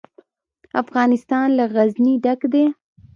افغانستان له غزني ډک دی.